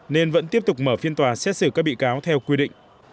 nên vẫn tiếp tục mở phiên tòa xét xử các bị cáo theo quy định